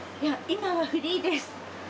今はフリーです。